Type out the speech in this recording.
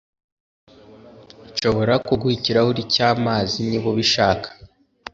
Nshobora kuguha ikirahuri cyamazi niba ubishaka